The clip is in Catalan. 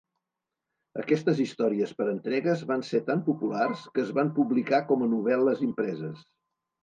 Aquestes històries per entregues van ser tan populars que es van publicar com a novel·les impreses.